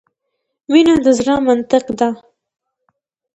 مینه د زړه منطق ده .